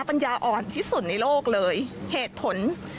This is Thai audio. ปัญญาอ่อนที่สุดในโลกเลยเหตุผล